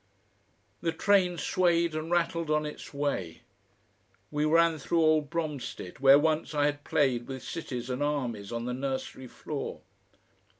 The train swayed and rattled on its way. We ran through old Bromstead, where once I had played with cities and armies on the nursery floor.